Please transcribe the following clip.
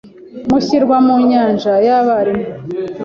mu ishyirwa mu myanya y’abarimu